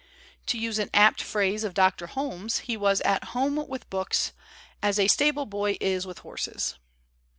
To use an apt phrase of Dr. Holmes, he was at home with books "as a stable boy is with horses."